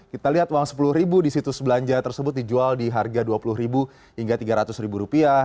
kita lihat uang sepuluh ribu di situs belanja tersebut dijual di harga dua puluh hingga tiga ratus ribu rupiah